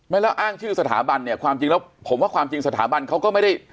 แล้วอ้างชื่อสถาบันเนี่ยความจริงแล้วผมว่าความจริงสถาบันเขาก็ไม่ได้